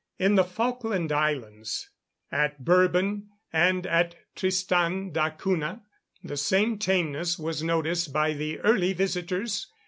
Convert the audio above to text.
In the Falkland Islands, at Bourbon, and at Tristan d'Acunha, the same tameness was noticed by the early visitors.